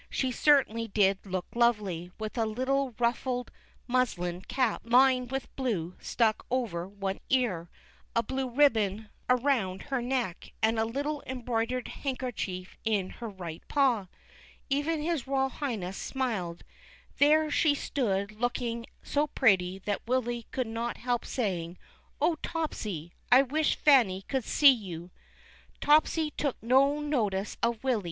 She certainly did look lovely, with a little ruffled inuslin cap lined with blue stuck over one ear, a blue ribbon around her neck, and a little embroidered handker chief in her right paw. Even his Royal Highness THE KING CAT. 371 smiled. There she stood looking so pretty that Willy could not help saying, " 0 Topsy ! I wish Fanny could see you.'' Topsy took no notice of Willy.